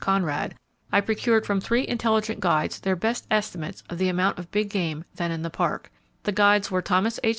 Conrad, I procured from three intelligent guides their best estimates of the amount of big game then in the Park. The guides were Thomas H.